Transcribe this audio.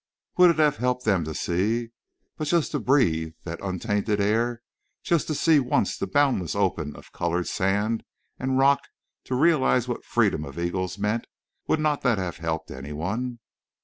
Would it have helped them to see? But just to breathe that untainted air, just to see once the boundless open of colored sand and rock—to realize what the freedom of eagles meant would not that have helped anyone?